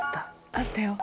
あったよ。